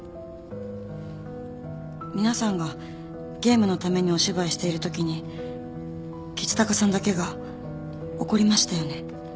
皆さんがゲームのためにお芝居しているときに橘高さんだけが怒りましたよね？